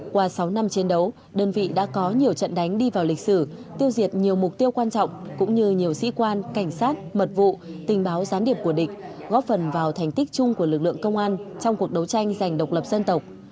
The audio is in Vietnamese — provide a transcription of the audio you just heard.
qua sáu năm chiến đấu đơn vị đã có nhiều trận đánh đi vào lịch sử tiêu diệt nhiều mục tiêu quan trọng cũng như nhiều sĩ quan cảnh sát mật vụ tình báo gián điệp của địch góp phần vào thành tích chung của lực lượng công an trong cuộc đấu tranh giành độc lập dân tộc